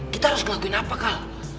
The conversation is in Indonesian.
kita harus ngelakuin apa kal